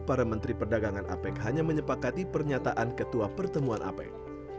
para menteri perdagangan apec hanya menyepakati pernyataan ketua pertemuan apec